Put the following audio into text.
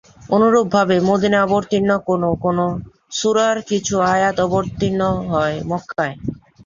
অনুরূপভাবে মদিনায় অবতীর্ণ কোনো কোনো সূরার কিছু আয়াত অবতীর্ণ হয় মক্কায়।